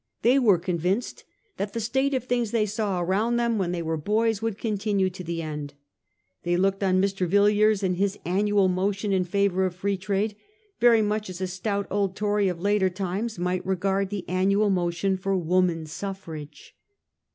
They were convinced that the state of things they saw around them when they were boys would continue to the end. They looked on Mr. Villiers and his annual motion in favour of Free Trade very much as a stout old Tory of later times might regard the annual motion for woman suffrage.